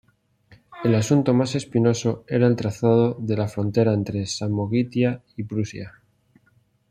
El asunto más espinoso era el trazado de la frontera entre Samogitia y Prusia.